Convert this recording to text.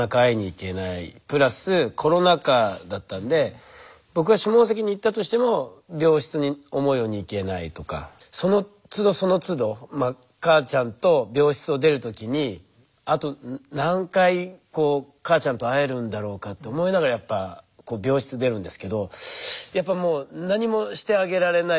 プラスコロナ禍だったんで僕が下関に行ったとしても病室に思うように行けないとかそのつどそのつどまあ母ちゃんと病室を出る時にあと何回母ちゃんと会えるんだろうかと思いながらやっぱ病室出るんですけどやっぱもう何もしてあげられない。